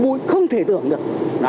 bụi không thể tưởng được